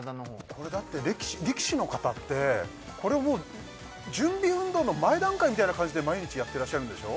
これだって力士の方ってこれを準備運動の前段階みたいな感じで毎日やってらっしゃるんでしょ？